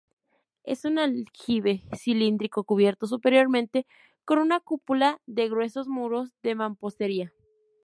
Es un aljibe cilíndrico, cubierto superiormente con una cúpula de gruesos muros de mampostería.